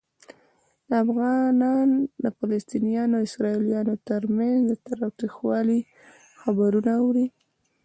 افغانان د فلسطینیانو او اسرائیلیانو ترمنځ د تاوتریخوالي خبرونه اوري.